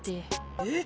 えっ！？